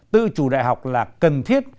tự chủ đại học là cần thiết